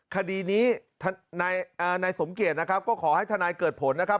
คดีนี้นายสมเกียจนะครับก็ขอให้ทนายเกิดผลนะครับ